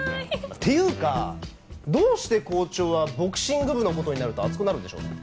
っていうかどうして校長はボクシング部の事になると熱くなるんでしょうね？